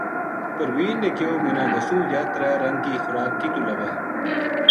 پروین نے کہیو منا دسوں یاہ ترے رنگ کی خوراک کِتو لبھے